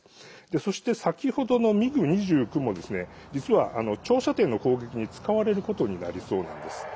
そして、先ほどのミグ２９も実は長射程の攻撃に使われることになりそうなんです。